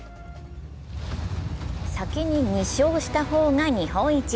先に２勝した方が日本一。